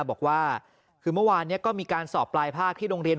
บอกว่าคือเมื่อวานนี้ก็มีการสอบปลายภาคที่โรงเรียน